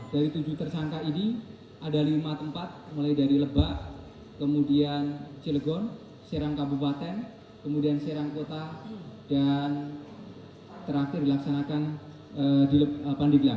dari tujuh tersangka ini ada lima tempat mulai dari lebak kemudian cilegon serang kabupaten kemudian serang kota dan terakhir dilaksanakan pandeglang